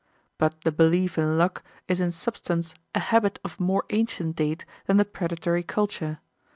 But the belief in luck is in substance a habit of more ancient date than the predatory culture.